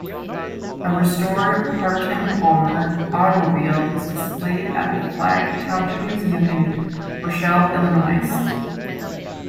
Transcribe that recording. A restored Partin-Palmer automobile is displayed at the Flagg Township Museum in Rochelle, Illinois.